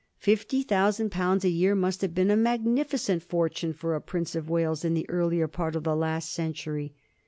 Fifty thousand pounds a year must have been a magnificent fortune for a Prince of Wales in the earlier part of the last century.